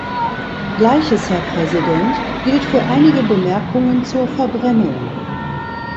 Gleiches, Herr Präsident, gilt für einige Bemerkungen zur Verbrennung.